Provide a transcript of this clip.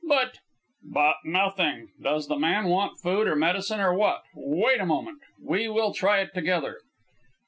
"But " "But nothing. Does the man want food, or medicine, or what? Wait a moment. We will try it together."